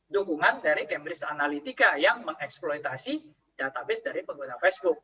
dukungan dari cambridge analytica yang mengeksploitasi database dari pengguna facebook